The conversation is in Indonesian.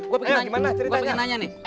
gue pengen nanya nih